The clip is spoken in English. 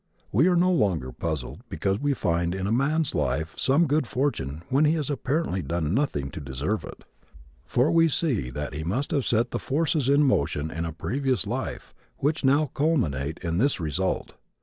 We are no longer puzzled because we find in a man's life some good fortune when he has apparently done nothing to deserve it, for we see that he must have set the forces in motion in a previous life which now culminate in this result.